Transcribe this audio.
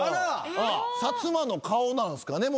薩摩の顔なんすかね